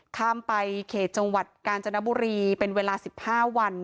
ข้ามไปเขตจังหวัดกาญจนบุรีเป็นเวลา๑๕วัน